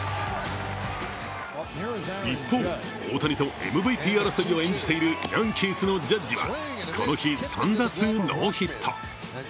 一方、大谷とＭＶＰ争いを演じているヤンキースのジャッジはこの日、３打数ノーヒット。